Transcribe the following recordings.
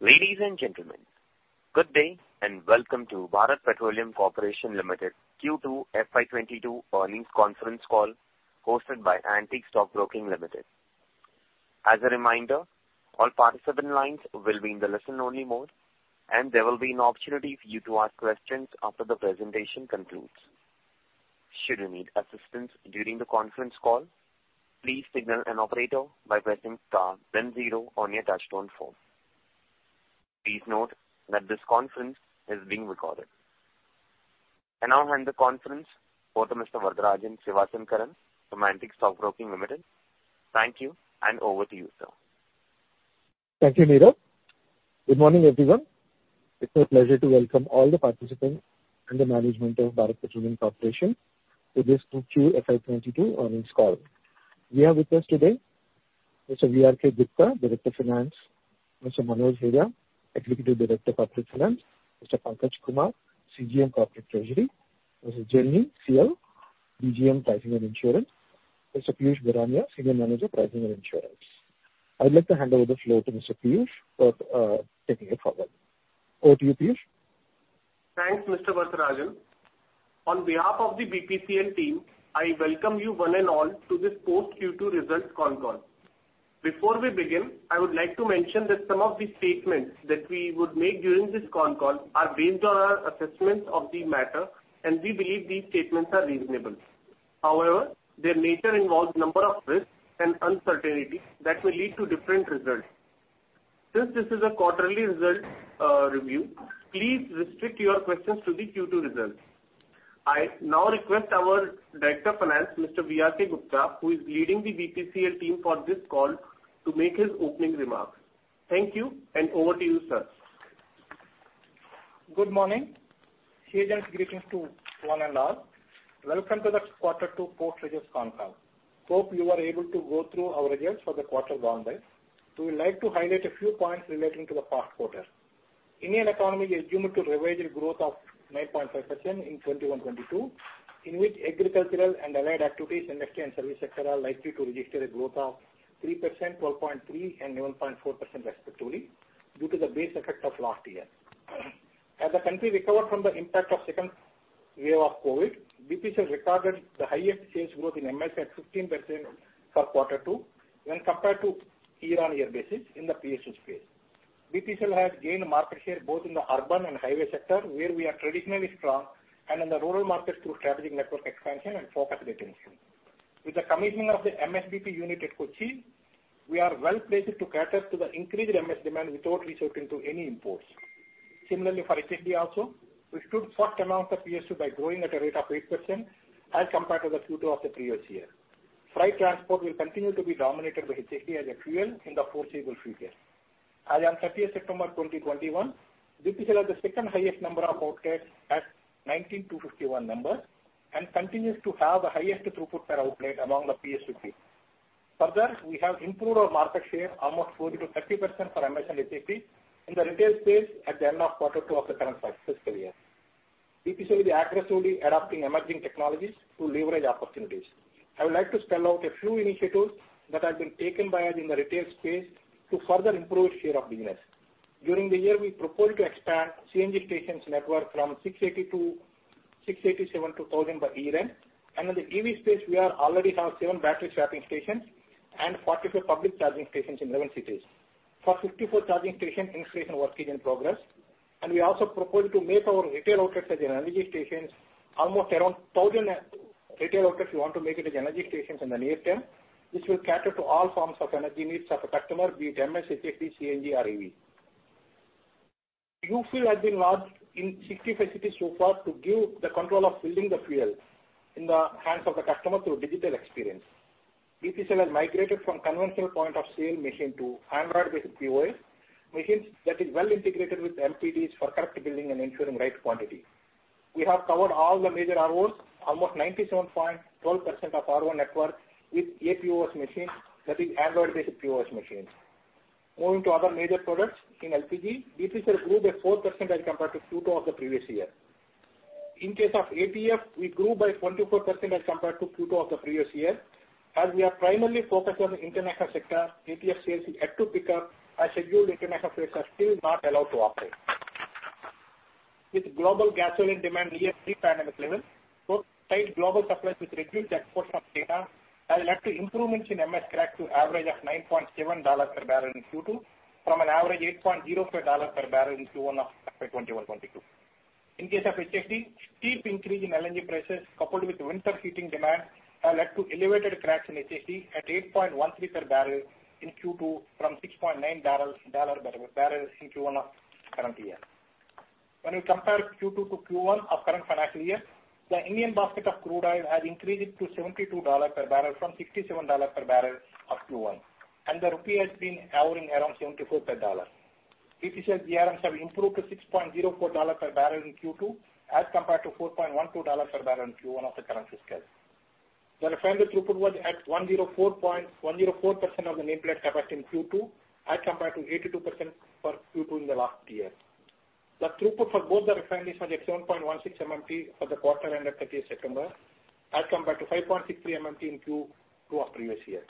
Ladies and gentlemen, good day and welcome to Bharat Petroleum Corporation Limited Q2 FY 2022 earnings conference call hosted by Antique Stock Broking Limited. As a reminder, all participant lines will be in the listen-only mode, and there will be an opportunity for you to ask questions after the presentation concludes. Should you need assistance during the conference call, please signal an operator by pressing star then zero on your touchtone phone. Please note that this conference is being recorded. I now hand the conference over to Mr. Varatharajan Sivasankaran from Antique Stock Broking Limited. Thank you, and over to you, sir. Thank you, Neeraj. Good morning, everyone. It's my pleasure to welcome all the participants and the management of Bharat Petroleum Corporation to this Q2 FY 2022 earnings call. We have with us today Mr. V.R.K. Gupta, Director Finance; Mr. Manoj Heda, Executive Director Corporate Finance; Mr. Pankaj Kumar, CGM Corporate Treasury; Mr. Sukhmal Jain, CL, DGM Pricing and Insurance; Mr. Piyush Borania, Senior Manager Pricing and Insurance. I would like to hand over the floor to Mr. Piyush for taking it forward. Over to you, Piyush. Thanks, Mr. Varatharajan. On behalf of the BPCL team, I welcome you one and all to this post Q2 results con call. Before we begin, I would like to mention that some of the statements that we would make during this con call are based on our assessments of the matter, and we believe these statements are reasonable. However, their nature involves number of risks and uncertainty that will lead to different results. Since this is a quarterly result review, please restrict your questions to the Q2 results. I now request our Director Finance, Mr. V.R.K. Gupta, who is leading the BPCL team for this call, to make his opening remarks. Thank you, and over to you, sir. Good morning. Greetings to one and all. Welcome to the quarter two post-results con call. Hope you are able to go through our results for the quarter gone by. We'd like to highlight a few points relating to the past quarter. Indian economy is assumed to revise its growth of 9.5% in 2021-22, in which agricultural and allied activities, industry and service sector are likely to register a growth of 3%, 12.3%, and 11.4% respectively due to the base effect of last year. As the country recovered from the impact of second wave of COVID, BPCL recorded the highest sales growth in MS at 15% for quarter two when compared to year-on-year basis in the PSUs space. BPCL has gained market share both in the urban and highway sector, where we are traditionally strong, and in the rural market through strategic network expansion and focused retention. With the commissioning of the MSDP unit at Kochi, we are well-placed to cater to the increased MS demand without resorting to any imports. Similarly, for HSD also, we stood first amongst the PSUs by growing at a rate of 8% as compared to the Q2 of the previous year. Freight transport will continue to be dominated by HSD as a fuel in the foreseeable future. As on September 30, 2021, BPCL has the second highest number of outlets at 19,251 and continues to have the highest throughput per outlet among the PSUs. Further, we have improved our market share from almost 30% to 40% for MS and HSD in the retail space at the end of Q2 of the current fiscal year. BPCL will be aggressively adopting emerging technologies to leverage opportunities. I would like to spell out a few initiatives that have been taken by us in the retail space to further improve share of business. During the year, we propose to expand CNG stations network from 680 to 687 to 1000 by year-end. In the EV space, we already have seven battery swapping stations and 44 public charging stations in 11 cities. For 54 charging stations, installation work is in progress, and we also propose to make our retail outlets as energy stations. Almost around 1000 retail outlets we want to make it as energy stations in the near term. This will cater to all forms of energy needs of a customer, be it MS, HSD, CNG or EV. UFill has been launched in 65 cities so far to give the control of filling the fuel in the hands of the customer through digital experience. BPCL has migrated from conventional point of sale machine to Android-based POS machines that is well integrated with LPDs for correct billing and ensuring right quantity. We have covered all the major ROs, almost 97.12% of RO network with APOS machines, that is Android-based POS machines. Moving to other major products, in LPG, BPCL grew by 4% as compared to Q2 of the previous year. In case of ATF, we grew by 24% as compared to Q2 of the previous year. As we are primarily focused on the international sector, ATF sales is yet to pick up as scheduled international flights are still not allowed to operate. With global gasoline demand near pre-pandemic levels, tight global supplies with reduced exports from China has led to improvements in MS crack to average of $9.7 per barrel in Q2 from an average $8.05 per barrel in Q1 of FY 2021-22. In case of HSD, steep increase in LNG prices coupled with winter heating demand have led to elevated cracks in HSD at $8.13 per barrel in Q2 from $6.9 per barrel in Q1 of current year. When we compare Q2 to Q1 of current financial year, the Indian Basket of crude oil has increased to $72 per barrel from $67 per barrel of Q1, and the rupee has been hovering around 74 per dollar. BPCL GRMs have improved to $6.04 per barrel in Q2 as compared to $4.12 per barrel in Q1 of the current fiscal. The refinery throughput was at 104% of the nameplate capacity in Q2 as compared to 82% for Q2 in the last year. The throughput for both the refineries was at 7.16 MMT for the quarter ended 30 of September as compared to 5.63 MMT in Q2 of previous year.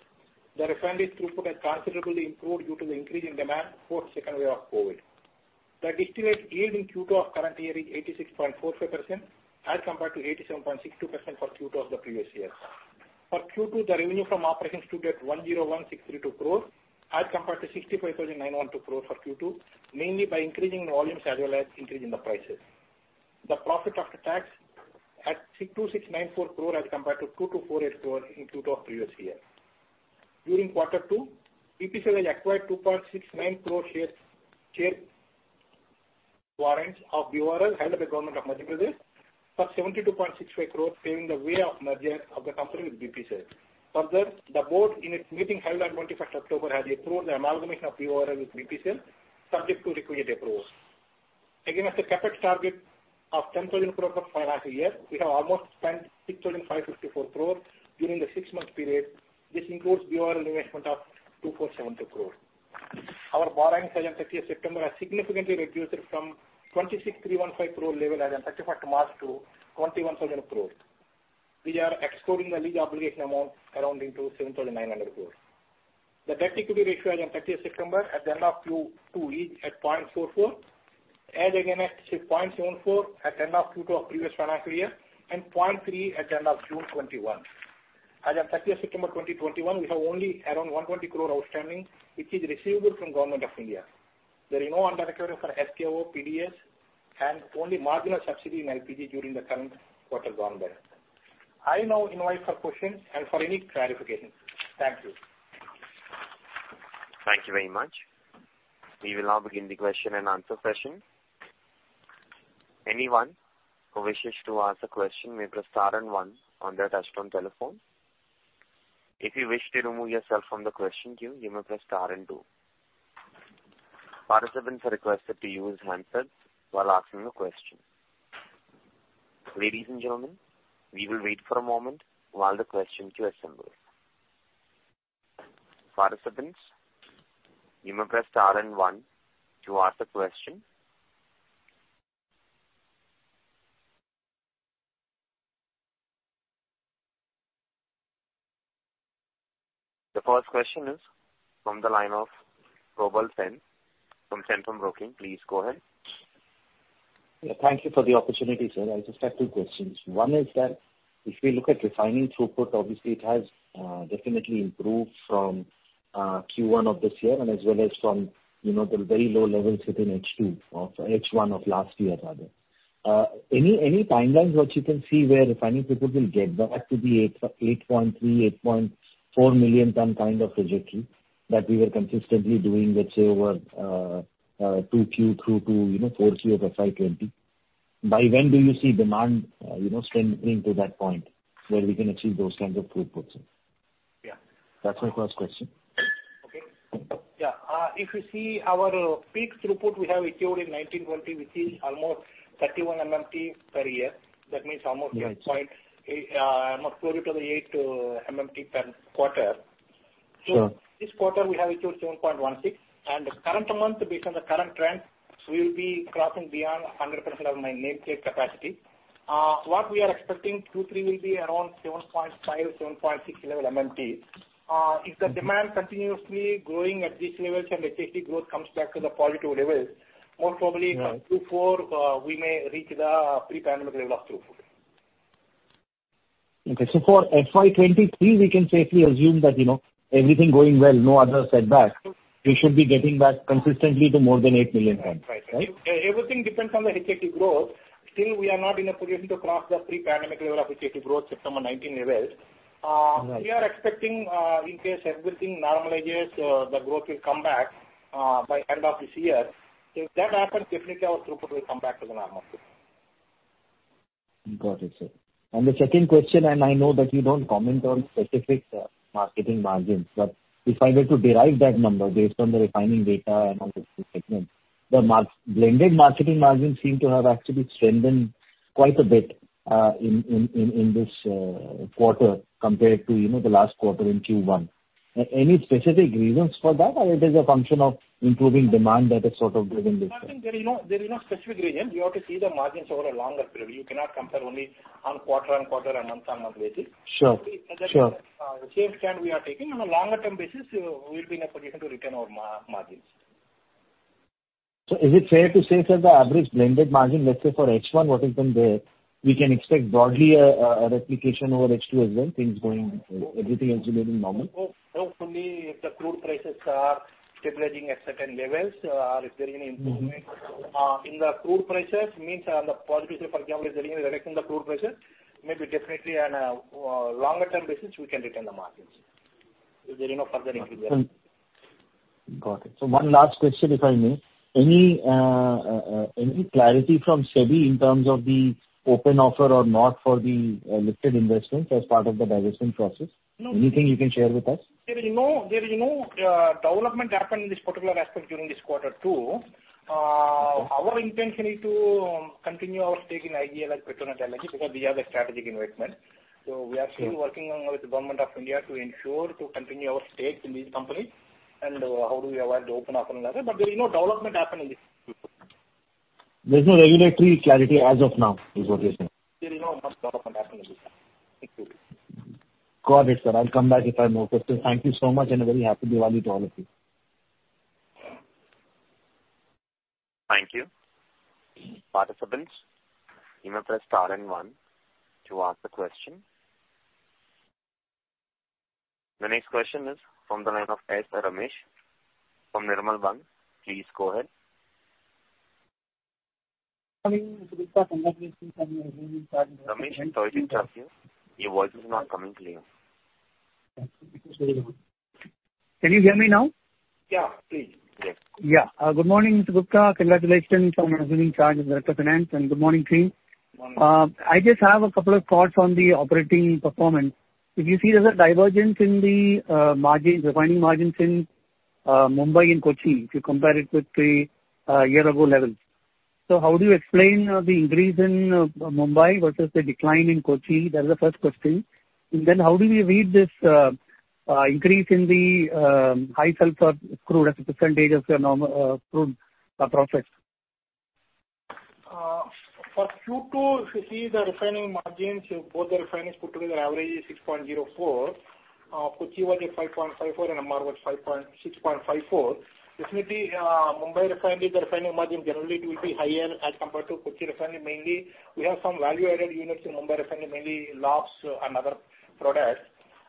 The refineries throughput has considerably improved due to the increase in demand post second wave of COVID. The distillates yield in Q2 of current year is 86.45% as compared to 87.62% for Q2 of the previous year. For Q2, the revenue from operations stood at 101,632 crore as compared to 65,912 crore for Q2, mainly by increasing volumes as well as increasing the prices. The profit after tax at 2,694 crore as compared to 2,248 crore in Q2 of previous year. During quarter two, BPCL has acquired 2.69 crore shares, share warrants of BORL held by Government of Madhya Pradesh for 72.65 crore, clearing the way of merger of the company with BPCL. Further, the board in its meeting held on 21st October has approved the amalgamation of BORL with BPCL subject to requisite approval. Against the CapEx target of 10,000 crore for financial year, we have almost spent 6,554 crore during the six-month period. This includes BORL investment of 2,472 crore. Our borrowings as on 30th September have significantly reduced from 26,315 crore level as on 31st March to 21,000 crore. We are excluding the lease obligation amount rounding to 7,900 crore. The debt-equity ratio as on 30th September at the end of Q2 is at 0.44, and again at 0.74 at end of Q2 of previous financial year, and 0.3 at the end of June 2021. As on 30th September 2021, we have only around 120 crore outstanding, which is receivable from Government of India. There is no underrecovery for FPO, PDS, and only marginal subsidy in LPG during the current quarter gone by. I now invite for questions and for any clarifications. Thank you. Thank you very much. We will now begin the question and answer session. Anyone who wishes to ask a question may press star and one on their touchtone telephone. If you wish to remove yourself from the question queue, you may press star and two. Participants are requested to use handsets while asking the question. Ladies and gentlemen, we will wait for a moment while the question queue assembles. Participants, you may press star and one to ask a question. The first question is from the line of Probal Sen from Centrum Broking. Please go ahead. Yeah. Thank you for the opportunity, sir. I just have two questions. One is that if we look at refining throughput, obviously it has definitely improved from Q1 of this year and as well as from, you know, the very low levels within H1 of last year, rather. Any timelines which you can see where refining throughput will get back to the 8.3, 8.4 million ton kind of trajectory that we were consistently doing, let's say, over 2Q through to 4Q of FY 2020? By when do you see demand, you know, strengthening to that point where we can achieve those kinds of throughputs? Yeah. That's my first question. If you see our peak throughput we have achieved in 1920, we see almost 31 MMT per year. That means almost eight point- Right. Almost close to the 8 MMT per quarter. Sure. This quarter we have achieved 7.16, and the current month based on the current trends, we'll be crossing beyond 100% of my nameplate capacity. What we are expecting Q3 will be around 7.5-7.6 level MMT. Okay. If the demand continuously growing at this levels and the HSD growth comes back to the positive levels, most probably. Yeah. Q4, we may reach the pre-pandemic level of throughput. Okay. For FY 2023, we can safely assume that, you know, everything going well, no other setback. We should be getting back consistently to more than 8 million tons. Right. Everything depends on the HSD growth. We are not in a position to cross the pre-pandemic level of HSD growth, September 2019 levels. Right. We are expecting, in case everything normalizes, the growth will come back by end of this year. If that happens, definitely our throughput will come back to the normal. Got it, sir. The second question, and I know that you don't comment on specific marketing margins, but if I were to derive that number based on the refining margin and also the segment, the blended marketing margins seem to have actually strengthened quite a bit in this quarter compared to the last quarter in Q1. Any specific reasons for that, or it is a function of improving demand that is sort of driven this? I think there is no specific reason. You have to see the margins over a longer period. You cannot compare only on quarter-over-quarter and month-over-month basis. Sure. Sure. The same stand we are taking. On a longer term basis, we will be in a position to return our margins. Is it fair to say, sir, the average blended margin, let's say for H1, what has been there, we can expect broadly a replication over H2 as well, things going, everything else remaining normal? Hopefully, if the crude prices are stabilizing at certain levels, or if there is any improvement in the crude prices, meaning on the positive side for example, if there is any reduction in the crude prices, maybe definitely on a longer term basis, we can return the margins if there is no further deterioration. Got it. One last question, if I may. Any clarity from SEBI in terms of the open offer or not for the listed investments as part of the divestment process? No. Anything you can share with us? There is no development happened in this particular aspect during this quarter too. Our intention is to continue our stake in IGL and Petronet LNG because these are the strategic investments. We are still working on with the Government of India to ensure to continue our stake in these companies and how do we avoid the open offer and that, but there is no development happened in this. There's no regulatory clarity as of now in relation. Still, you know, must come up on that in the future. Thank you. Got it, sir. I'll come back if I have more questions. Thank you so much, and a very happy Diwali to all of you. Thank you. Participants, you may press star and one to ask a question. The next question is from the line of Ramesh from Nirmal Bang. Please go ahead. Good morning, Mr. Gupta. Congratulations on assuming charge. Ramesh, I'm sorry to interrupt you. Your voice is not coming clear. Can you hear me now? Yeah, please. Yes. Yeah. Good morning, Mr. V.R.K. Gupta. Congratulations on assuming charge of Director Finance, and good morning team. Good morning. I just have a couple of thoughts on the operating performance. If you see there's a divergence in the margins, refining margins in Mumbai and Kochi, if you compare it with the year ago levels. How do you explain the increase in Mumbai versus the decline in Kochi? That is the first question. How do you read this increase in the high sulfur crude as a percentage of your normal crude process? For Q2, if you see the refining margins, both the refineries put together average is $6.04. Kochi was at $5.54, and MR was $6.54. This will be Mumbai Refinery, the refining margin generally it will be higher as compared to Kochi Refinery. Mainly we have some value-added units in Mumbai Refinery, mainly LOBS and other products.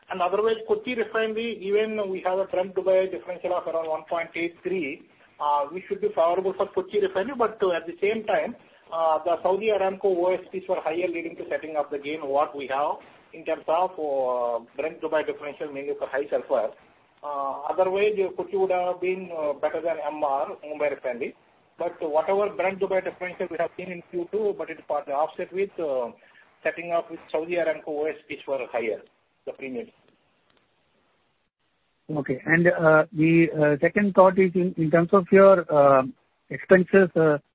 Otherwise, Kochi Refinery, even we have a Brent Dubai differential of around 1.83, which should be favorable for Kochi Refinery. At the same time, the Saudi Aramco OSPs were higher, leading to eating up the gain what we have in terms of Brent Dubai differential mainly for high sulfur. Otherwise, Kochi would have been better than MR, Mumbai Refinery. Whatever Brent-Dubai differential we have seen in Q2, it was partly offset with Saudi Aramco OSPs being higher, the premium. The second thought is in terms of your expenses.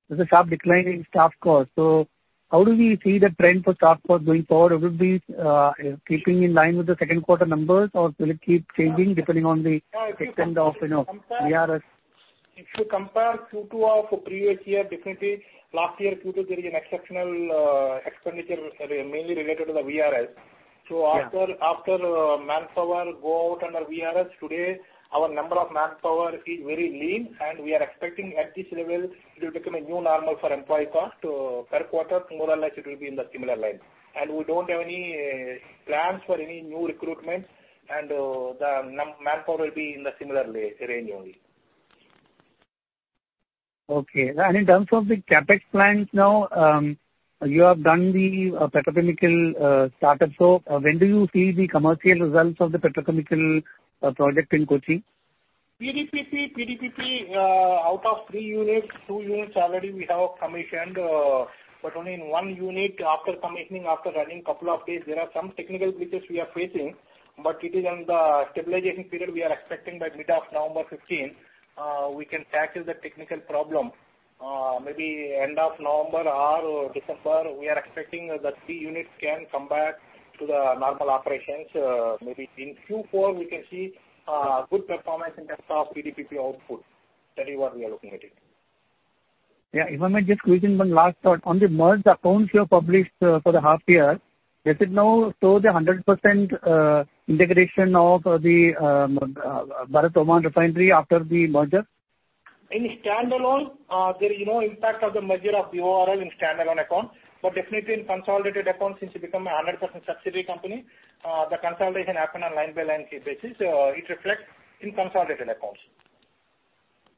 There's a sharp decline in staff costs. How do we see the trend for staff costs going forward? Will it be keeping in line with the second quarter numbers or will it keep changing depending on the extent of VRS? If you compare Q2 of previous year, definitely last year Q2, there is an exceptional expenditure mainly related to the VRS. Yeah. After manpower go out under VRS, today our number of manpower is very lean. We are expecting at this level it will become a new normal for employee cost per quarter. More or less it will be in the similar line. We don't have any plans for any new recruitment. The manpower will be in the similar range only. Okay. In terms of the CapEx plans now, you have done the petrochemical startup. So when do you see the commercial results of the petrochemical project in Kochi? PDPP, out of three units, two units already we have commissioned. Only in one unit after commissioning, after running couple of days, there are some technical glitches we are facing. It is on the stabilization period. We are expecting by mid of November fifteenth, we can tackle the technical problem. Maybe end of November or December, we are expecting that three units can come back to the normal operations. Maybe in Q4 we can see good performance in terms of PDPP output. That is what we are looking at it. Yeah. If I may just squeeze in one last thought. On the merged accounts you have published for the half year, does it now show the 100% integration of the Bharat Oman Refinery after the merger? In standalone, there is no impact of the merger of BOR in standalone account. Definitely in consolidated accounts, since it become a 100% subsidiary company, the consolidation happen on line-by-line basis. It reflects in consolidated accounts.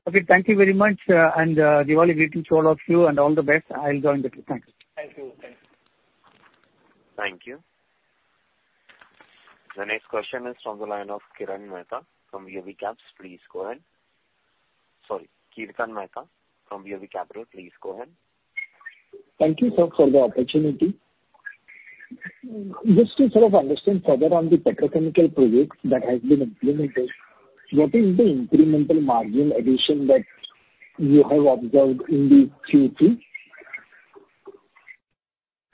Okay, thank you very much. Diwali greetings to all of you and all the best. I'll join the queue. Thank you. Thank you. The next question is from the line of Kirtan Mehta from AV Capital. Please go ahead. Sorry, Kirtan Mehta from AV Capital. Please go ahead. Thank you, sir, for the opportunity. Just to sort of understand further on the petrochemical project that has been implemented, what is the incremental margin addition that you have observed in the Q2?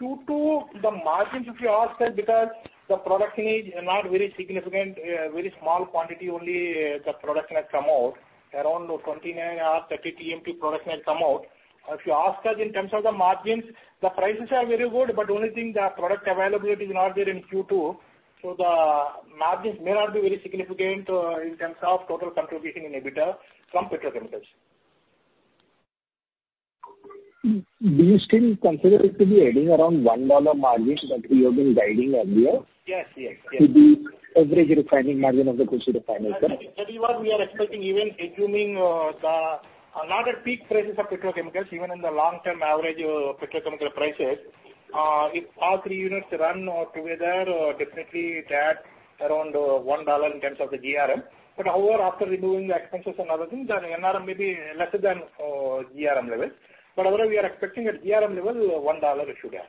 Q2, the margins, if you ask us, because the production is not very significant, very small quantity only, the production has come out. Around 29 or 30 TMT production has come out. If you ask us in terms of the margins, the prices are very good, but the only thing, the product availability is not there in Q2, so the margins may not be very significant, in terms of total contribution in EBITDA from petrochemicals. Do you still consider it to be adding around $1 margins that you have been guiding earlier? Yes. Yes. Yes. To the average refining margin of the Kochi Refinery, sir. That is what we are expecting even assuming not at peak prices of petrochemicals, even in the long-term average, petrochemical prices. If all three units run together, definitely it adds around $1 in terms of the GRM. However, after removing the expenses and other things, the NRM may be lesser than GRM level. Otherwise, we are expecting at GRM level, $1 it should add.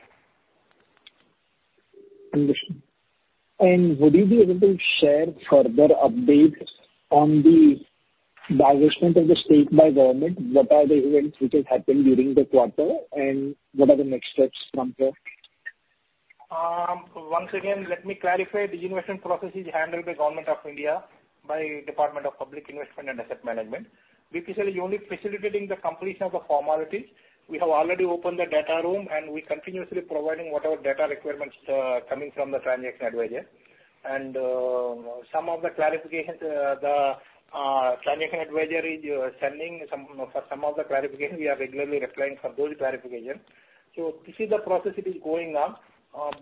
Understood. Would you be able to share further updates on the divestment of the stake by government? What are the events which has happened during the quarter and what are the next steps from here? Once again, let me clarify. Disinvestment process is handled by Government of India by Department of Investment and Public Asset Management. BPCL is only facilitating the completion of the formalities. We have already opened the data room, and we continuously providing whatever data requirements coming from the transaction advisor. Some of the clarifications the transaction advisor is sending some for some of the clarification, we are regularly replying for those clarification. This is the process it is going on.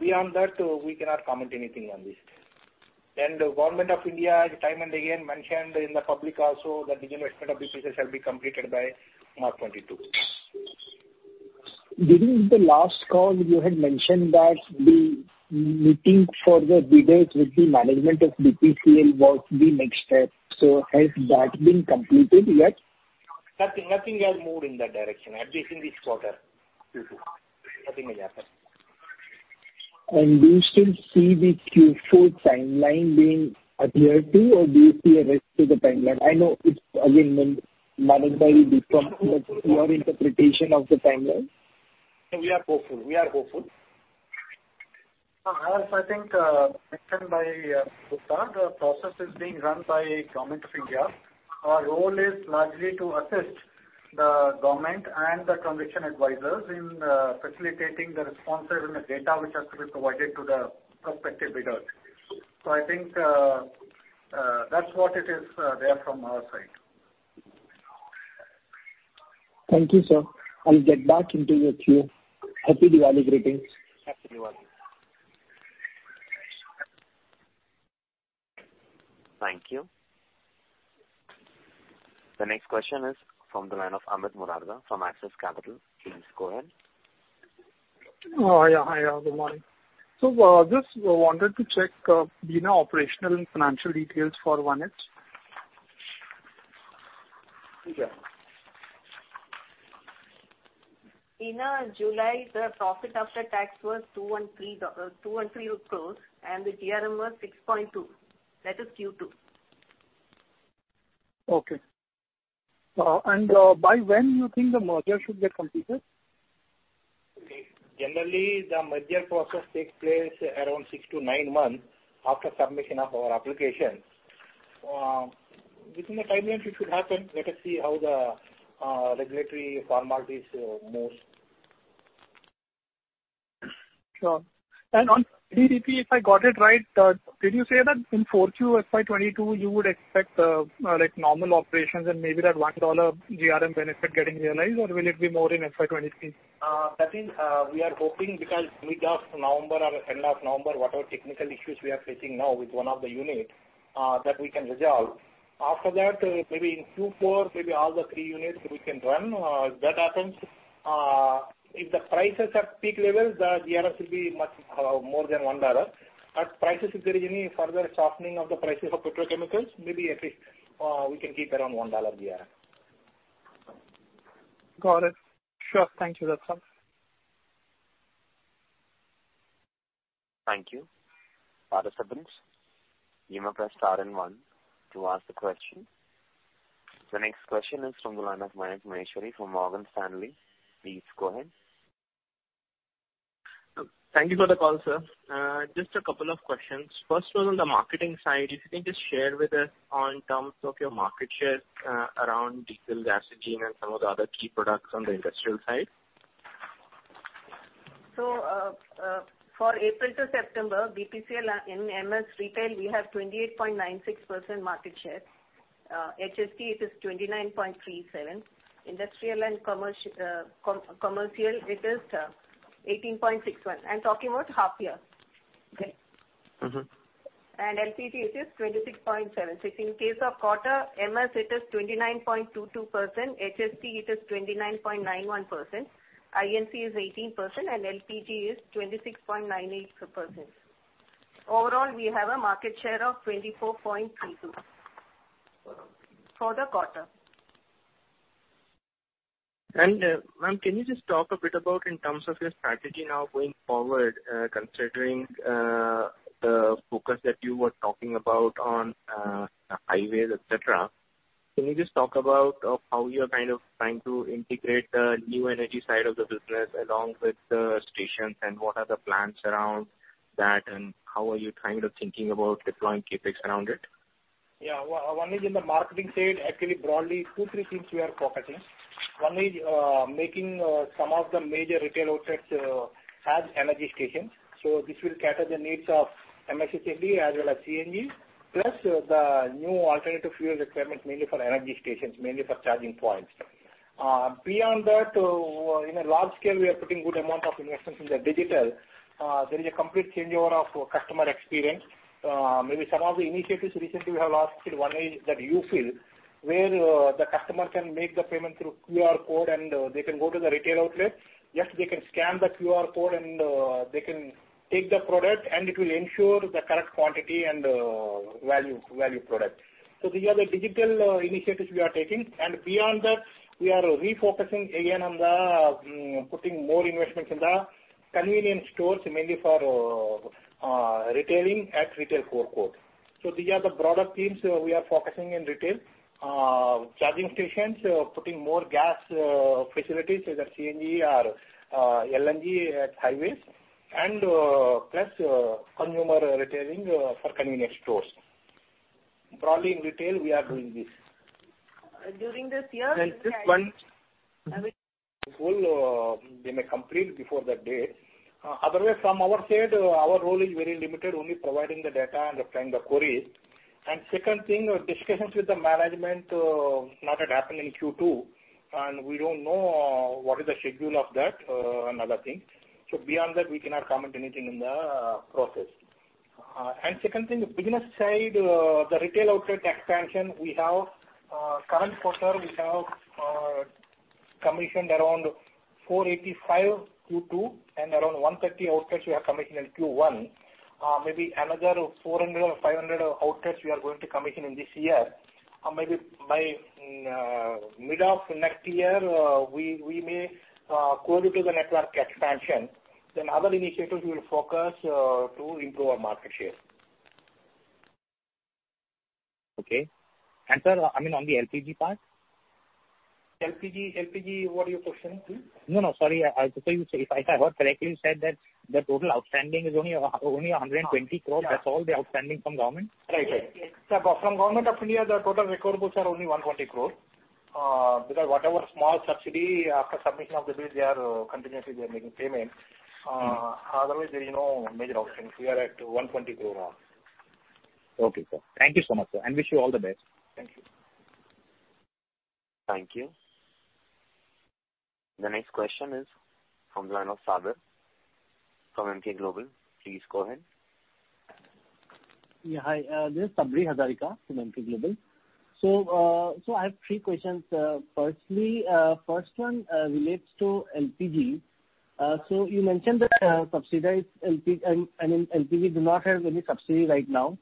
Beyond that, we cannot comment anything on this. The Government of India has time and again mentioned in the public also that disinvestment of BPCL shall be completed by March 2022. During the last call, you had mentioned that the meeting for the bidders with the management of BPCL was the next step. Has that been completed yet? Nothing has moved in that direction at least in this quarter. Nothing has happened. Do you still see the Q4 timeline being adhered to, or do you see a risk to the timeline? I know it's again managed by your interpretation of the timeline. We are hopeful. As I think mentioned by Gupta, the process is being run by Government of India. Our role is largely to assist the government and the transaction advisors in facilitating the responses and the data which has to be provided to the prospective bidders. I think that's what it is from our side. Thank you, sir. I'll get back into the queue. Happy Diwali greetings. Happy Diwali. Thank you. The next question is from the line of Amit Mogariya from Axis Capital. Please go ahead. Oh, yeah. Hi, good morning. Just wanted to check, Bina operational and financial details for 1H. Yeah. Bina July, the profit after tax was 23 crores, and the GRM was $6.2. That is Q2. Okay. By when you think the merger should get completed? Okay. Generally, the merger process takes place around 6-9 months after submission of our application. Within the timeline, it should happen. Let us see how the regulatory formalities move. Sure. On VDP, if I got it right, did you say that in Q4 FY 2022, you would expect, like, normal operations and maybe that $1 GRM benefit getting realized, or will it be more in FY 2023? That is, we are hoping because mid of November or end of November, whatever technical issues we are facing now with one of the unit, that we can resolve. After that, maybe in Q4, maybe all the three units we can run. If that happens, if the prices are at peak levels, the GRMs will be much more than $1. Prices, if there is any further softening of the prices of petrochemicals, maybe at least, we can keep around $1 GRM. Got it. Sure. Thank you. That's all. Thank you. Participants, you may press star and one to ask the question. The next question is from the line of Mayank Maheshwari from Morgan Stanley. Please go ahead. Thank you for the call, sir. Just a couple of questions. First one on the marketing side. If you can just share with us in terms of your market share around diesel, gasoline, and some of the other key products on the industrial side. For April to September, BPCL in MS retail, we have 28.96% market share. HSD, it is 29.37%. Industrial and commercial, it is 18.61%. I'm talking about half year. Okay? Mm-hmm. LPG, it is 26.76%. In case of quarter, MS it is 29.22%. HSD, it is 29.91%. I&C is 18% and LPG is 26.98%. Overall, we have a market share of 24.32% for the quarter. Ma'am, can you just talk a bit about in terms of your strategy now going forward, considering the focus that you were talking about on the highways, et cetera. Can you just talk about how you're kind of trying to integrate the new energy side of the business along with the stations, and what are the plans around that, and how are you kind of thinking about deploying CapEx around it? Yeah. One is in the marketing side. Actually broadly, two, three things we are focusing. One is making some of the major retail outlets as energy stations. This will cater the needs of MS, HSD as well as CNG, plus the new alternative fuel requirements mainly for energy stations, mainly for charging points. Beyond that, in a large scale, we are putting good amount of investments in the digital. There is a complete changeover of customer experience. Maybe some of the initiatives recently we have launched. One is that UFill where the customer can make the payment through QR code and they can go to the retail outlet. Just they can scan the QR code and they can take the product, and it will ensure the correct quantity and value product. These are the digital initiatives we are taking. Beyond that, we are refocusing again on putting more investments in the convenience stores, mainly for retailing at retail QR code. These are the broader themes we are focusing in retail. Charging stations, putting more gas facilities, either CNG or LNG at highways, and plus consumer retailing for convenience stores. Broadly in retail, we are doing this. During this year. This one will, they may complete before that date. Otherwise from our side, our role is very limited, only providing the land and replying to the queries. Second thing, discussions with the management not yet happened in Q2, and we don't know what is the schedule of that and other things. Beyond that, we cannot comment anything in the process. Second thing, the business side, the retail outlet expansion, we have current quarter, we have commissioned around 485 in Q2 and around 130 outlets we have commissioned in Q1. Maybe another 400 or 500 outlets we are going to commission in this year. Maybe by mid of next year, we may close it as a network expansion. Other initiatives we will focus to improve our market share. Okay. Sir, I mean, on the LPG part. LPG, what are your questions please? No, no, sorry. I thought you say, if I heard correctly, you said that the total outstanding is only 120 crore. That's all the outstanding from government? Right. Right. Yes. Yes. From Government of India, the total recoverables are only 120 crore. Because whatever small subsidy after submission of the bills, they are continuously making payment. Otherwise there is no major outstanding. We are at 120 crore. Okay, sir. Thank you so much, sir, and I wish you all the best. Thank you. Thank you. The next question is from the line of Sabri from Emkay Global. Please go ahead. Yeah, hi. This is Sabri Hazarika from Emkay Global. I have three questions. First one relates to LPG. You mentioned that, I mean, LPG do not have any subsidy right now.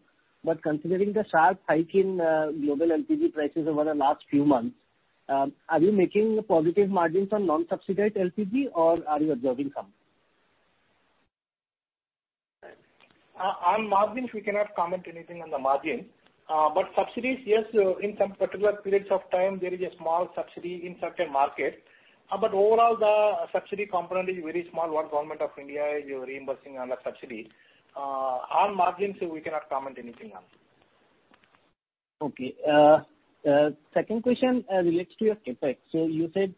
Considering the sharp hike in global LPG prices over the last few months, are you making positive margins on non-subsidized LPG or are you absorbing some? On margins, we cannot comment anything on the margin. Subsidies, yes, in some particular periods of time, there is a small subsidy in certain markets. Overall the subsidy component is very small what Government of India is reimbursing on the subsidy. On margins, we cannot comment anything on. Okay. Second question relates to your CapEx. You said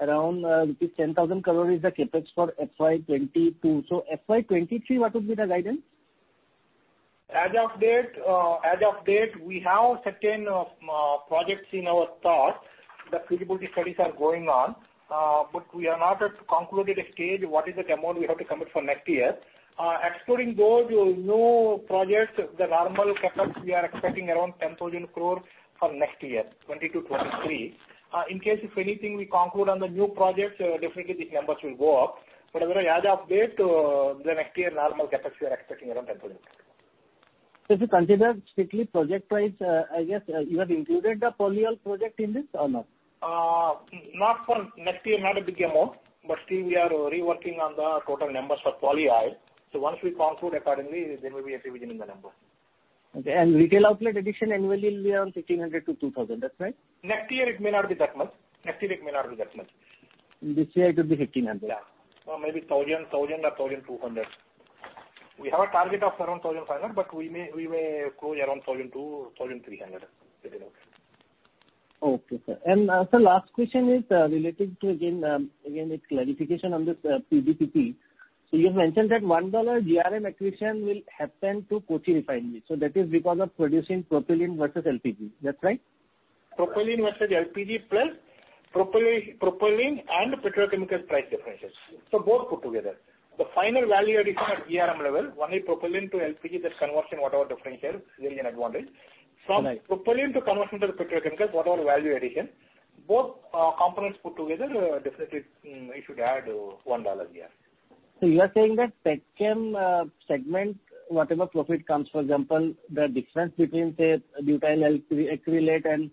around rupees 10,000 crore is the CapEx for FY 2022. FY 2023, what would be the guidance? As of date, we have certain projects in our talks. The feasibility studies are going on. We are not at concluded stage what is the amount we have to commit for next year. Excluding those new projects, the normal CapEx we are expecting around 10,000 crore for next year, 2022-23. In case if anything we conclude on the new projects, definitely these numbers will go up. Otherwise as of date, the next year normal CapEx we are expecting around 10,000 crore. If you consider strictly project-wise, I guess, you have included the polyol project in this or not? Not for next year, not a big amount, but still we are reworking on the total numbers for polyol. Once we conclude accordingly, there may be a revision in the number. Okay. Retail Outlet addition annually will be around 1,500-2,000. That's right? Next year it may not be that much. This year it will be 1,500. Maybe 1,000 or 1,200. We have a target of around 1,500, but we may close around 1,200-1,300 Retail Outlets. Okay, sir. Sir, last question is related to again it's clarification on this PDPP. You have mentioned that $1 GRM accretion will happen to Kochi Refinery. That is because of producing propylene versus LPG. That's right? Propylene versus LPG plus propylene and petrochemicals price differences. Both put together. The final value addition at GRM level, only propylene to LPG, that conversion, whatever differential is an advantage. Nice. From propylene to conversion to the petrochemicals, whatever value addition, both components put together, definitely it should add $1 a year. You are saying that petchem segment, whatever profit comes, for example, the difference between, say, Butyl Acrylate and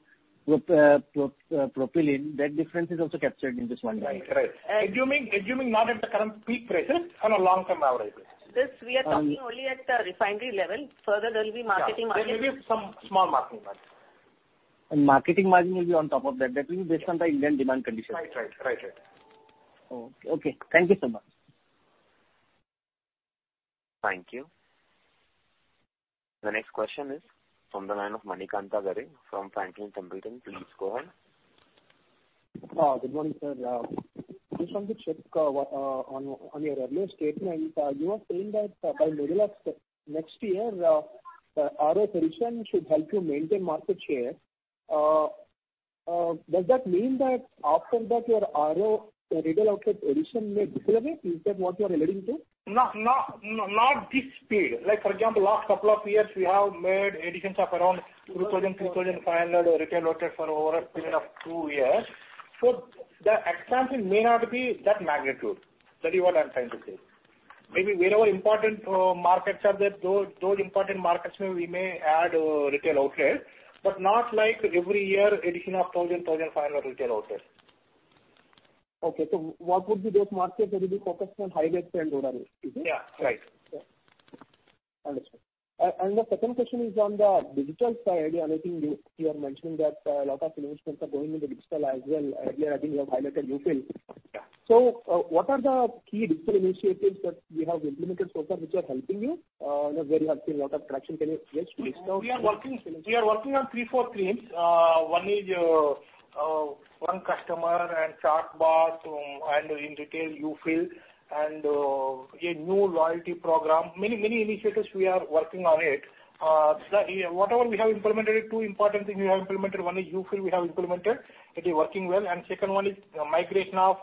propylene, that difference is also captured in this one dollar? Right. Assuming not at the current peak prices, on a long-term average. This we are talking only at the refinery level. Further, there will be marketing margin. Yeah. There will be some small marketing margin. Marketing margin will be on top of that. That will be based on the Indian demand condition. Right. Okay. Thank you so much. Thank you. The next question is from the line of Manikantha Garre from Franklin Templeton. Please go ahead. Good morning, sir. Just wanted to check on your earlier statement. You were saying that by middle of next year, RO addition should help you maintain market share. Does that mean that after that your RO, retail outlet addition may decelerate? Is that what you are alluding to? No, no, not this period. Like, for example, last couple of years, we have made additions of around 2,000-3,500 Retail Outlets over a period of two years. The expansion may not be that magnitude. That is what I'm trying to say. Maybe wherever important markets are there, those important markets we may add Retail Outlets, but not like every year addition of 1,000-1,500 Retail Outlets. Okay. What would be those markets that will be focused on high-debt and lower risk? Is it? Yeah, right. Sure. Understood. The second question is on the digital side. I think you are mentioning that a lot of investments are going into digital as well. Earlier, I think you have highlighted UFill. Yeah. What are the key digital initiatives that you have implemented so far which are helping you, where you have seen a lot of traction? Can you please disclose? We are working on three, four themes. One is one customer and chatbot and in retail UFill and a new loyalty program. Many initiatives we are working on it. Whatever we have implemented, two important things we have implemented. One is UFill we have implemented. It is working well. Second one is migration of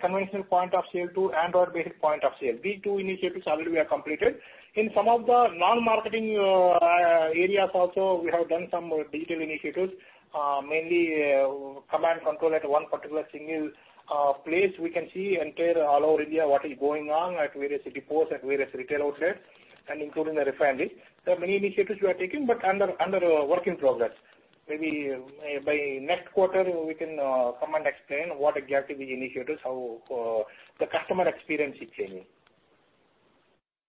conventional point of sale to Android-based point of sale. These two initiatives already we have completed. In some of the non-marketing areas also we have done some digital initiatives, mainly command control at one particular single place. We can see entire all over India what is going on at various depots, at various retail outlets, and including the refineries. There are many initiatives we are taking, but under working progress. Maybe by next quarter we can come and explain what exactly the initiatives, how the customer experience is changing.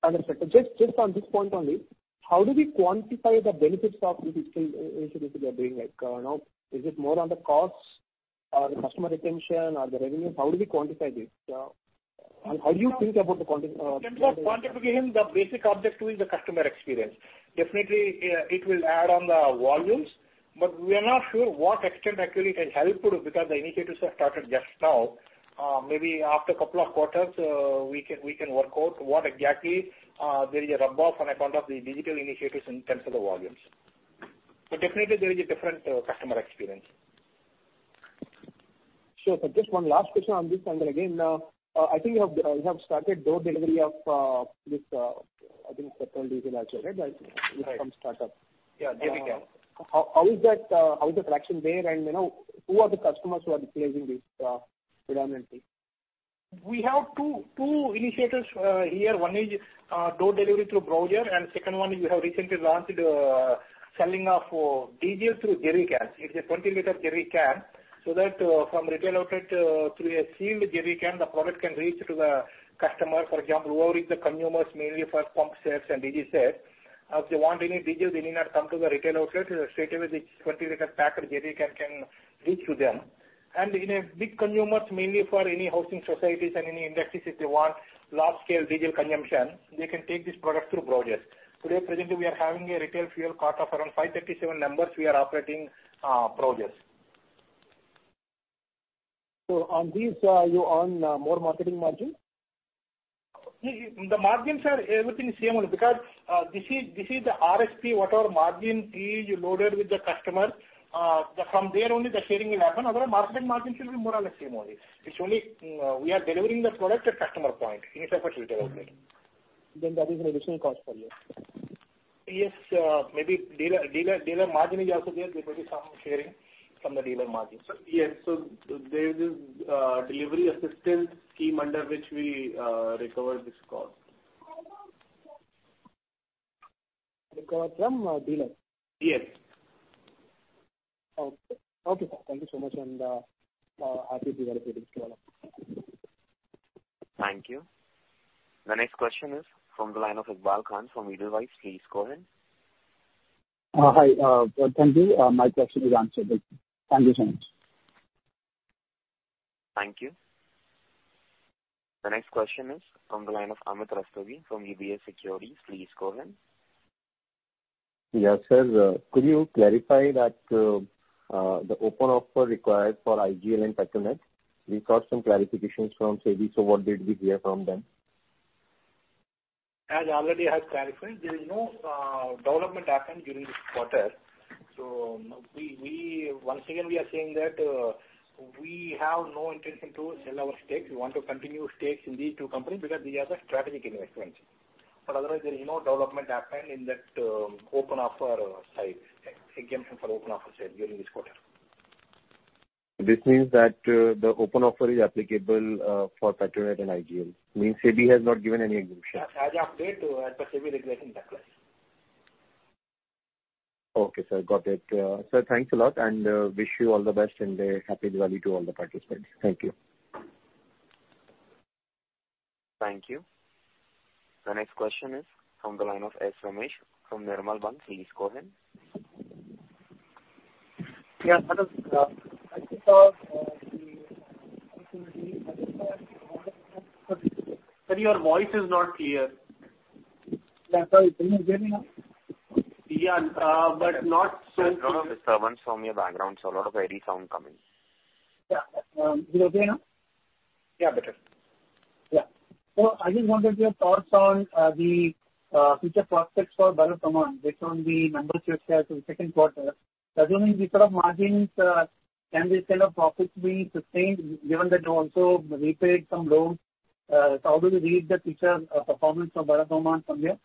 Understood. Just on this point only, how do we quantify the benefits of digital initiatives you are doing like now? Is it more on the costs or the customer retention or the revenues? How do we quantify this? How do you think about the quantification? In terms of quantification, the basic objective will be the customer experience. Definitely, it will add on the volumes, but we are not sure what extent actually it can help because the initiatives have started just now. Maybe after couple of quarters, we can work out what exactly there is a rub-off on account of the digital initiatives in terms of the volumes. Definitely there is a different customer experience. Sure. Just one last question on this, and then again, I think you have started door delivery of, this, I think petroleum diesel also, right? Like some startup. Yeah, jerrycans. How is the traction there? You know, who are the customers who are utilizing this predominantly? We have two initiatives here. One is door delivery through bowser. Second one we have recently launched selling of diesel through jerrycans. It's a 20-liter jerrycan, so that from retail outlet through a sealed jerrycan, the product can reach to the customer. For example, who are the consumers mainly for bulk sales and diesel sales. If they want any diesel they need not come to the retail outlet. Straightaway this 20-liter packed jerrycan can reach to them. In a big consumers, mainly for any housing societies and any industries, if they want large scale diesel consumption, they can take this product through bowsers. Today, presently we are having a FuelKart of around 537 members we are operating bowsers. On these, you earn more marketing margin? The margins are everything same only because this is the RSP, whatever margin is loaded with the customer, from there only the sharing will happen. Otherwise marketing margin should be more or less same only. It's only we are delivering the product at customer point instead of a retail outlet. That is an additional cost for you. Yes. Maybe dealer margin is also there. There may be some sharing from the dealer margin. Sir, yes. There is a delivery assistance scheme under which we recover this cost. Recover from dealers? Yes. Okay. Okay, sir. Thank you so much, and Happy Diwali to you as well. Thank you. The next question is from the line of Iqbal Khan from Edelweiss. Please go ahead. Hi. Thank you. My question is answered. Thank you so much. Thank you. The next question is from the line of Amit Rustogi from UBS Securities. Please go ahead. Yes, sir. Could you clarify that, the open offer required for IGL and Petronet? We got some clarifications from SEBI, so what did we hear from them? As I already have clarified, there is no development happened during this quarter. Once again, we are saying that we have no intention to sell our stakes. We want to continue stakes in these two companies because these are the strategic investments. Otherwise there is no development happened in that open offer side, exemption for open offer sale during this quarter. This means that the open offer is applicable for Petronet and IGL. It means SEBI has not given any exemption. As of date, as per SEBI regulation, that was. Okay, sir. Got it. Sir, thanks a lot, and wish you all the best and a Happy Diwali to all the participants. Thank you. Thank you. The next question is from the line of Ramesh from Nirmal Bang. Please go ahead. Yeah. Hello. I just have Sir, your voice is not clear. That's all. Is it okay now? Yeah, not so- There is lot of disturbance from your background, so lot of airy sound coming. Yeah. Is it okay now? Yeah, better. I just wanted your thoughts on the future prospects for Bharat Petroleum based on the numbers you have shared for the second quarter. Assuming these sort of margins, can this kind of profits be sustained given that you also repaid some loans? How do you read the future performance of Bharat Petroleum from here?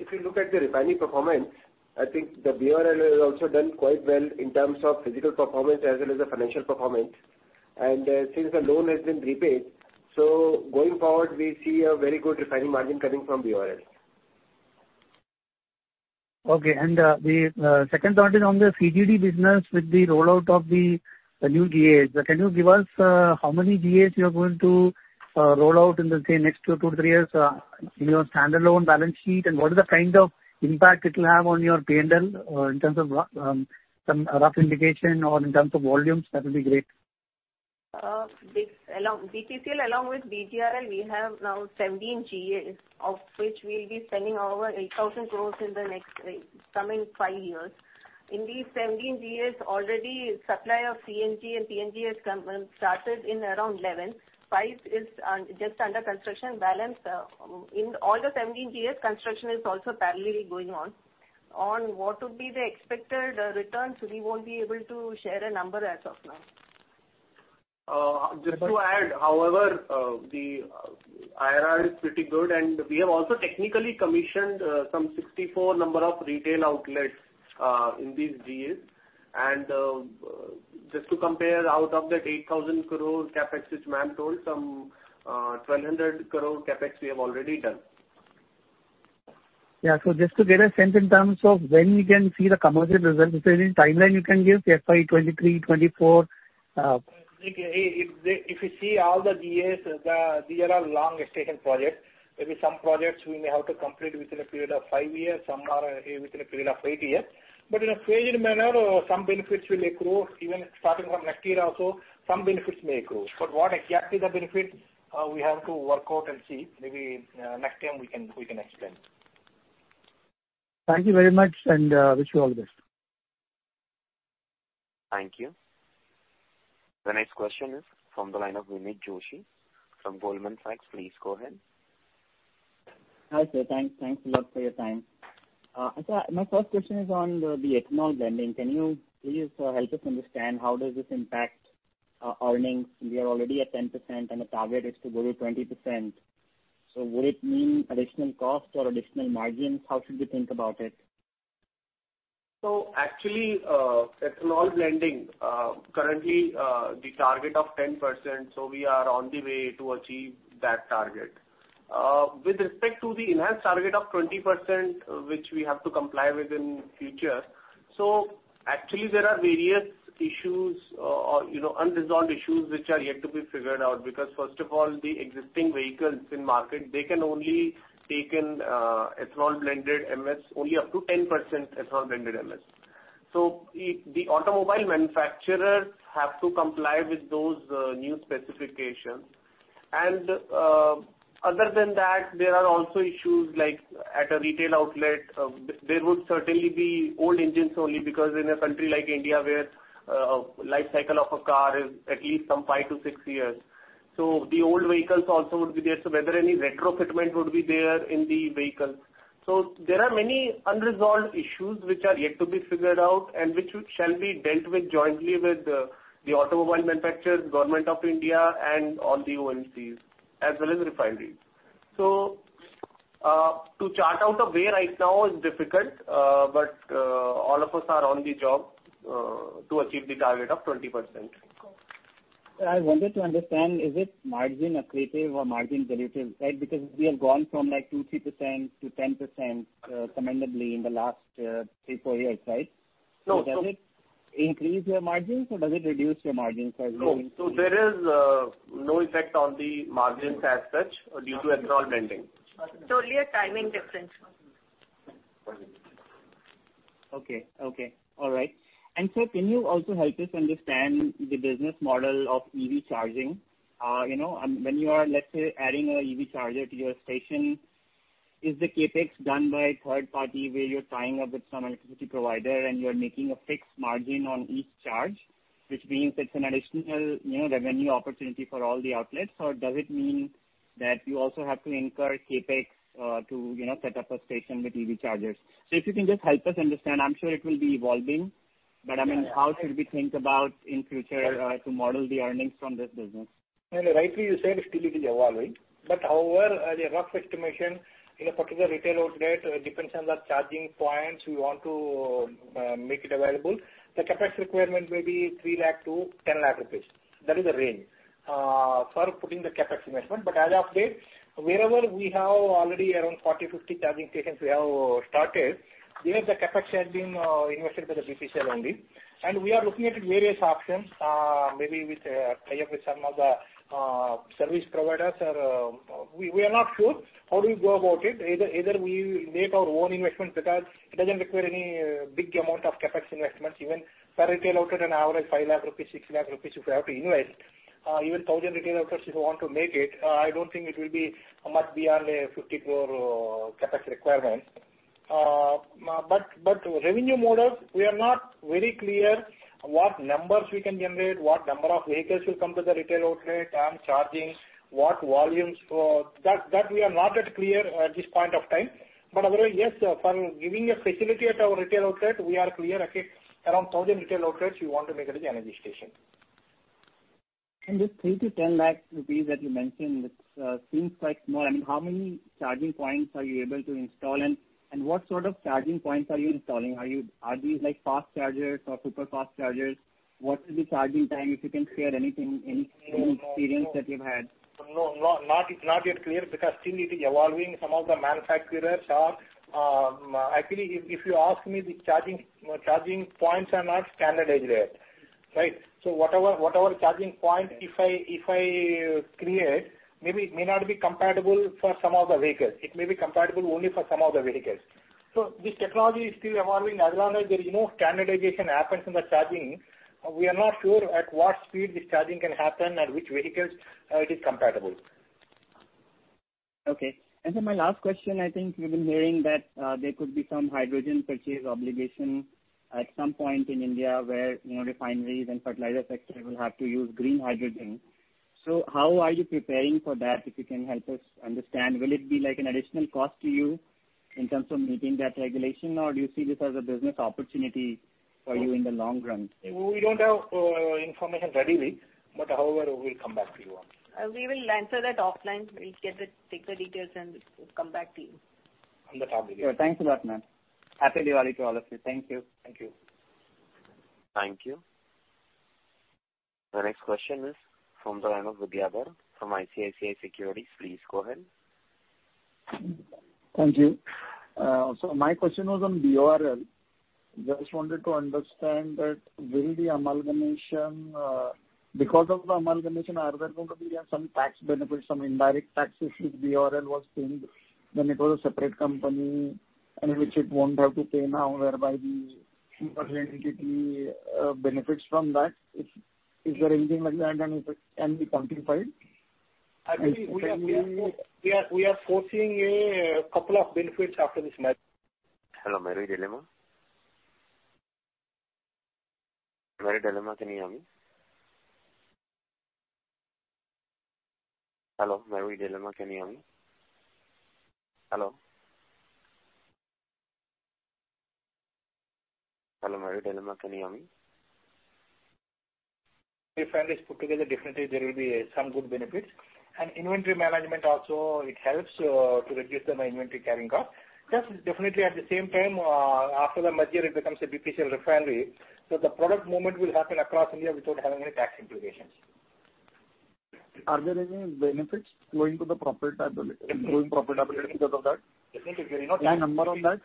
If you look at the refining performance, I think the BORL has also done quite well in terms of physical performance as well as the financial performance. Since the loan has been repaid, going forward, we see a very good refining margin coming from BORL. Okay. The second thought is on the CGD business with the rollout of the new GAs. Can you give us how many GAs you are going to roll out in, say, the next 2-3 years in your standalone balance sheet? What is the kind of impact it will have on your P&L in terms of some rough indication or in terms of volumes? That would be great. BPCL along with BGRL, we have now 17 GAs, of which we will be spending over 8,000 crores in the coming five years. In these 17 GAs, already supply of CNG and PNG has started in around 11. Five is just under construction. Balance in all the 17 GAs, construction is also parallelly going on. On what would be the expected returns, we won't be able to share a number as of now. Just to add, however, the IRR is pretty good, and we have also technically commissioned some 64 number of retail outlets in these GAs. Just to compare, out of that 8,000 crore CapEx, which ma'am told, some 1,200 crore CapEx we have already done. Yeah. Just to get a sense in terms of when we can see the commercial results, is there any timeline you can give, FY 2023, 2024? If you see all the GAs, these are all long-extension projects. Maybe some projects we may have to complete within a period of five years, some are within a period of eight years. In a phased manner, some benefits will accrue even starting from next year also, some benefits may accrue. What exactly the benefits, we have to work out and see. Maybe next time we can explain. Thank you very much, and wish you all the best. Thank you. The next question is from the line of Vineet Joshi from Goldman Sachs. Please go ahead. Hi, sir. Thanks a lot for your time. My first question is on the ethanol blending. Can you please help us understand how does this impact earnings? We are already at 10% and the target is to go to 20%. Would it mean additional costs or additional margins? How should we think about it? Actually, ethanol blending currently the target of 10%, we are on the way to achieve that target. With respect to the enhanced target of 20%, which we have to comply with in future, actually there are various issues or, you know, unresolved issues which are yet to be figured out. Because first of all, the existing vehicles in market, they can only take in ethanol-blended MS, only up to 10% ethanol-blended MS. The automobile manufacturers have to comply with those new specifications. Other than that, there are also issues like at a retail outlet, there would certainly be old engines only because in a country like India, where life cycle of a car is at least some 5-6 years. The old vehicles also would be there. Whether any retrofitment would be there in the vehicles. There are many unresolved issues which are yet to be figured out and which shall be dealt with jointly with the automobile manufacturers, Government of India and all the OMCs as well as refineries. To chart out a way right now is difficult, but all of us are on the job to achieve the target of 20%. I wanted to understand, is it margin accretive or margin dilutive, right? Because we have gone from like 2-3% to 10%, commendably in the last 3-4 years, right? No, does it- Increase your margins or does it reduce your margins as well? No. There is no effect on the margins as such due to ethanol blending. Totally a timing difference. Okay. All right. Sir, can you also help us understand the business model of EV charging? You know, when you are, let's say, adding a EV charger to your station, is the CapEx done by a third party where you're tying up with some electricity provider and you're making a fixed margin on each charge, which means it's an additional, you know, revenue opportunity for all the outlets? Or does it mean that you also have to incur CapEx to, you know, set up a station with EV chargers? If you can just help us understand. I'm sure it will be evolving, but I mean, how should we think about in future to model the earnings from this business? Rightly you said, still it is evolving. However, the rough estimation in a particular retail outlet depends on the charging points you want to make it available. The CapEx requirement may be 3 lakh-10 lakh rupees. That is the range for putting the CapEx investment. As of date, wherever we have already around 40, 50 charging stations we have started, there the CapEx has been invested by the BPCL only. We are looking at various options, maybe with a tie-up with some of the service providers or. We are not sure how do we go about it. Either we make our own investment because it doesn't require any big amount of CapEx investments. Even per retail outlet an average 5 lakh rupees, 6 lakh rupees if we have to invest, even 1,000 retail outlets if we want to make it, I don't think it will be much beyond a 50 crore CapEx requirement. But revenue models, we are not very clear what numbers we can generate, what number of vehicles will come to the retail outlet and charging, what volumes. So that we are not yet clear at this point of time. But otherwise, yes, for giving a facility at our retail outlet, we are clear. I think around 1,000 retail outlets we want to make it as an energy station. This 3 lakh-10 lakh rupees that you mentioned, it seems quite small. I mean, how many charging points are you able to install and what sort of charging points are you installing? Are these like fast chargers or super fast chargers? What is the charging time? If you can share anything, any experience that you've had. No, not yet clear because still it is evolving. Some of the manufacturers are. Actually, if you ask me the charging points are not standardized yet, right? So whatever charging point if I create, maybe it may not be compatible for some of the vehicles. It may be compatible only for some of the vehicles. So this technology is still evolving. As long as there is no standardization happens in the charging, we are not sure at what speed this charging can happen, at which vehicles it is compatible. Okay. My last question, I think we've been hearing that, there could be some hydrogen purchase obligation at some point in India where, you know, refineries and fertilizer sector will have to use green hydrogen. How are you preparing for that? If you can help us understand. Will it be like an additional cost to you in terms of meeting that regulation, or do you see this as a business opportunity for you in the long run? We don't have information readily, but however, we'll come back to you on that. We will answer that offline. We'll take the details and come back to you. On the topic. Thanks a lot, ma'am. Happy Diwali to all of you. Thank you. Thank you. Thank you. The next question is from the line of Vidyadhar from ICICI Securities. Please go ahead. Thank you. My question was on BORL. Just wanted to understand that will the amalgamation, because of the amalgamation, are there going to be some tax benefits, some indirect taxes which BORL was paying when it was a separate company and which it won't have to pay now, whereby the emerging entity, benefits from that? Is there anything like that and it can be quantified? Actually, we are foreseeing a couple of benefits after this merger. Hello, Marie Dilemma. Marie Dilemma, can you hear me? Hello, Marie Dilemma, can you hear me? Hello. Hello, Marie Dilemma, can you hear me? Refineries put together, definitely there will be some good benefits. Inventory management also it helps to reduce the inventory carrying cost. Yes, definitely. At the same time, after the merger it becomes a BPCL refinery, so the product movement will happen across India without having any tax implications. Are there any benefits flowing to profitability because of that? Definitely. Any number on that?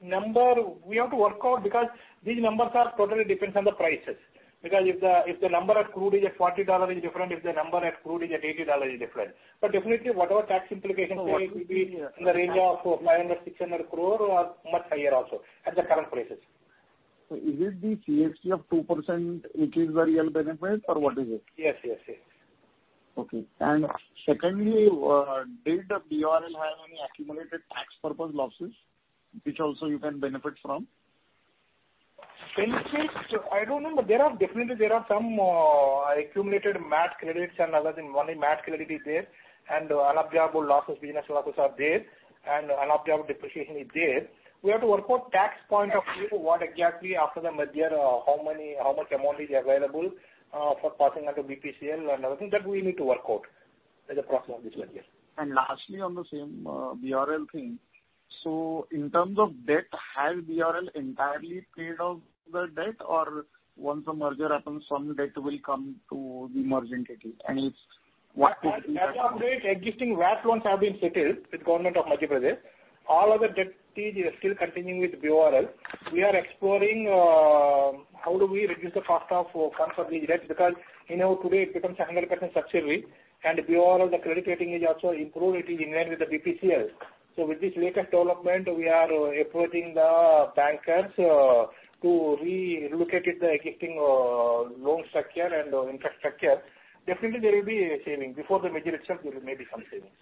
The numbers we have to work out because these numbers totally depend on the prices. If the crude is at $40 is different, if the crude is at $80 is different. Definitely whatever tax implications there will be in the range of 500-600 crore or much higher also at the current prices. Is it the CST of 2% which is the real benefit or what is it? Yes. Yes. Yes. Okay. Secondly, did BORL have any accumulated tax purpose losses which also you can benefit from? Benefits, I don't know. There are definitely some accumulated MAT credits and other than only MAT credit is there, and unabsorbed losses, business losses are there, and unabsorbed depreciation is there. We have to work out from tax point of view, what exactly after the merger, how much amount is available for passing on to BPCL and everything. That we need to work out as a part of this merger. Lastly, on the same BORL thing. In terms of debt, has BORL entirely paid off the debt? Or once the merger happens, some debt will come to the emerging entity? What? As of today, existing VAT loans have been settled with Government of Madhya Pradesh. All other debt is still continuing with BORL. We are exploring how do we reduce the cost of some of these debts because, you know, today it becomes a 100% subsidiary and BORL, the credit rating is also improved. It is in line with the BPCL. With this latest development, we are approaching the bankers to relocate the existing loan structure and infrastructure. Definitely there will be a saving. Before the merger itself, there may be some savings.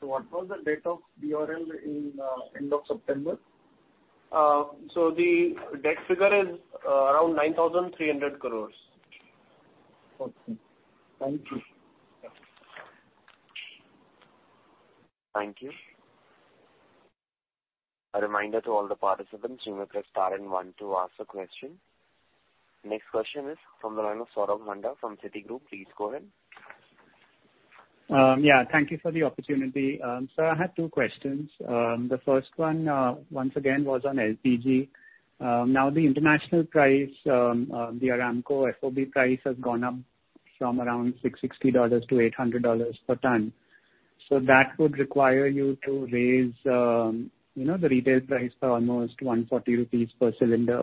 What was the debt of BORL in end of September? The debt figure is around 9,300 crore. Okay. Thank you. Thank you. A reminder to all the participants, you may press star and one to ask a question. Next question is from the line of Saurabh Mundhra from Citigroup. Please go ahead. Yeah. Thank you for the opportunity. Sir, I have two questions. The first one, once again, was on LPG. Now the international price, the Aramco FOB price has gone up from around $660 to $800 per ton. That would require you to raise, you know, the retail price by almost 140 rupees per cylinder.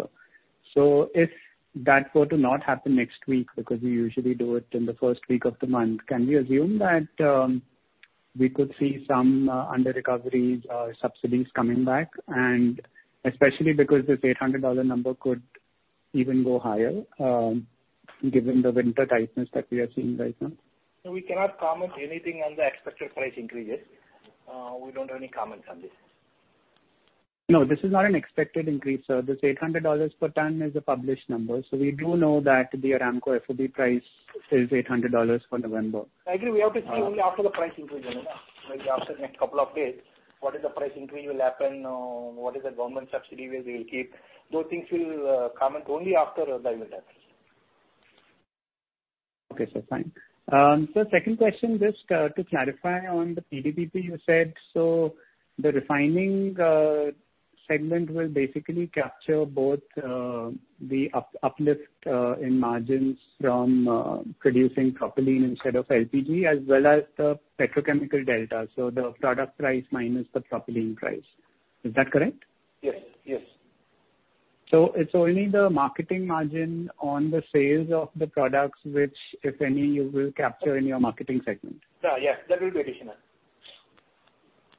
If that were to not happen next week, because we usually do it in the first week of the month, can we assume that we could see some under-recovery, subsidies coming back, and especially because this $800 number could even go higher, given the winter tightness that we are seeing right now? We cannot comment anything on the expected price increases. We don't have any comments on this. No, this is not an expected increase, sir. This $800 per ton is a published number. We do know that the Aramco FOB price is $800 for November. I agree. We have to see only after the price increase, you know. Like after next couple of days, what is the price increase will happen, what is the government subsidy where they will keep. Those things we'll comment only after the event happens. Okay, sir. Fine. Second question, just to clarify on the PDPP you said. The refining segment will basically capture both the uplift in margins from producing propylene instead of LPG as well as the petrochemical delta, so the product price minus the propylene price. Is that correct? Yes. Yes. It's only the marketing margin on the sales of the products which, if any, you will capture in your marketing segment. Yeah. That will be additional.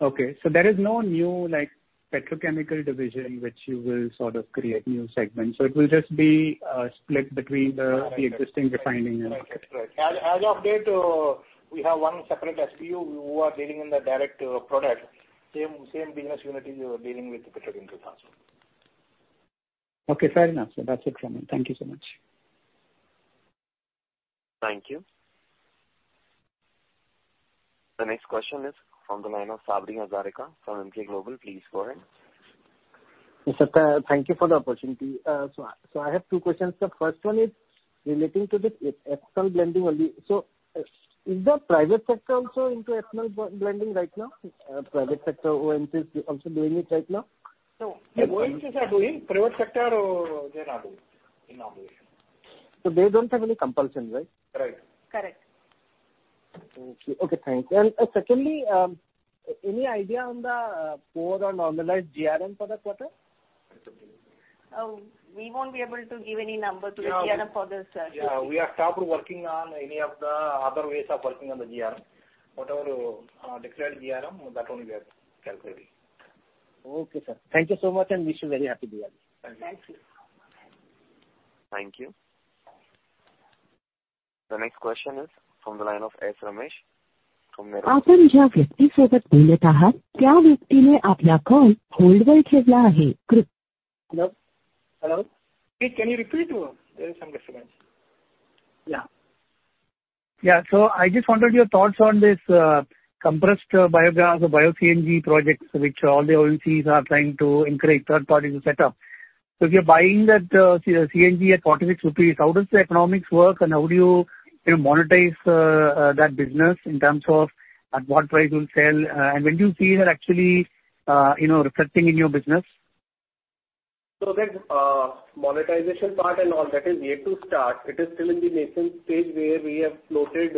Okay. There is no new, like, petrochemical division which you will sort of create new segment. It will just be split between the existing refining and- Right. As of date, we have one separate SBU. We are dealing in the direct product, same business unit we were dealing with petroleum products. Okay. Fair enough, sir. That's it from me. Thank you so much. Thank you. The next question is from the line of Sabri Hazarika from Emkay Global. Please go ahead. Yes, sir. Thank you for the opportunity. I have two questions, sir. First one is relating to the e-ethanol blending only. Is the private sector also into ethanol blending right now? Private sector OMC is also doing it right now? The OMCs are doing. Private sector, they're not doing it. They don't have any compulsion, right? Right. Correct. Okay, thanks. Secondly, any idea on the core or normalized GRM for the quarter? We won't be able to give any number to the GRM for this, sir. Yeah. We are still working on any of the other ways of working on the GRM. Whatever, declared GRM, that only we are calculating. Okay, sir. Thank you so much, and wish you a very happy Diwali. Thank you. Thank you. Thank you. The next question is from the line of Ramesh from- Hello? Hello? Can you repeat? There is some disturbance. I just wanted your thoughts on this, compressed biogas or Bio-CNG projects which all the OMCs are trying to encourage third parties to set up. If you're buying that, CBG at 46 rupees, how does the economics work and how do you monetize that business in terms of at what price you'll sell? And when do you see that actually reflecting in your business? That monetization part and all that is yet to start. It is still in the nascent stage where we have floated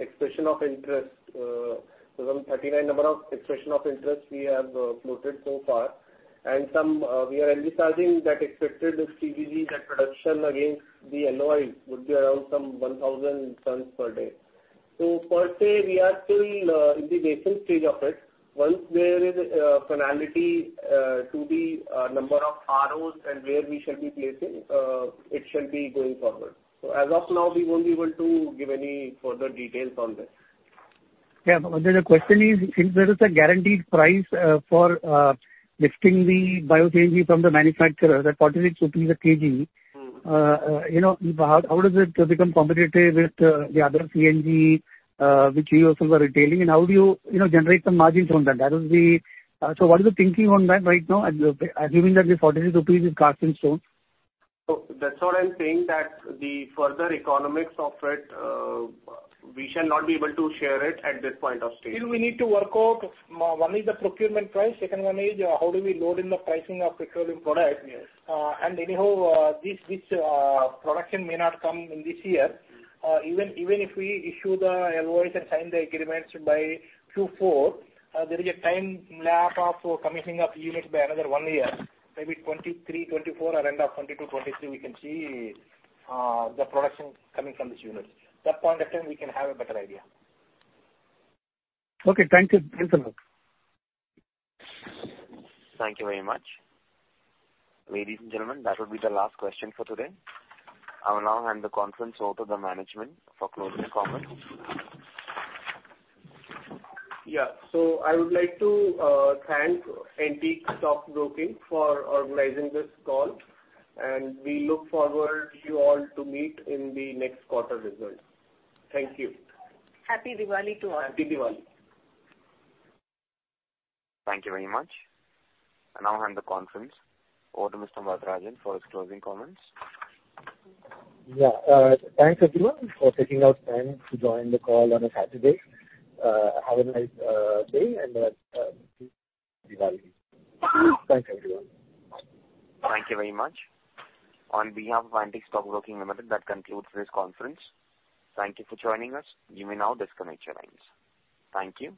expression of interest. Some 39 number of expression of interest we have floated so far. Some, we are envisaging that expected CBG production against the LOI would be around some 1,000 tons per day. Per se, we are still in the nascent stage of it. Once there is finality to the number of ROs and where we shall be placing, it shall be going forward. As of now, we won't be able to give any further details on this. Yeah. The question is, if there is a guaranteed price for lifting the Bio-CNG from the manufacturer, the INR 46/kg- Mm-hmm. You know, how does it become competitive with the other CNG, which you also are retailing, and how do you know, generate some margins from that? So what is the thinking on that right now, assuming that the 46 rupees is cast in stone? That's what I'm saying, that the further economics of it, we shall not be able to share it at this point of state. Still we need to work out, one is the procurement price, second one is, how do we load in the pricing of petroleum product. Yes. Anyhow, production may not come in this year. If we issue the LOIs and sign the agreements by Q4, there is a time lag of commissioning of units by another one year, maybe 2023, 2024, or end of 2022, 2023, we can see the production coming from this unit. That point of time, we can have a better idea. Okay. Thank you. Thanks a lot. Thank you very much. Ladies and gentlemen, that will be the last question for today. I will now hand the conference over to the management for closing comments. I would like to thank Antique Stock Broking for organizing this call, and we look forward you all to meet in the next quarter results. Thank you. Happy Diwali to all. Happy Diwali. Thank you very much. I now hand the conference over to Mr. Varatharajan Sivasankaran for his closing comments. Yeah. Thanks everyone for taking out time to join the call on a Saturday. Have a nice day and happy Diwali. Thanks everyone. Thank you very much. On behalf of Antique Stock Broking Limited, that concludes this conference. Thank you for joining us. You may now disconnect your lines. Thank you.